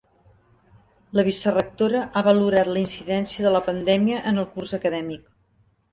La vicerectora ha valorat la incidència de la pandèmia en el curs acadèmic.